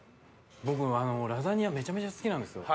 僕ラザニアめちゃめちゃ好きなんですよ。